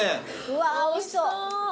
うわおいしそう。